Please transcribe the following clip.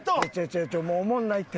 ちゃうちゃうおもんないって。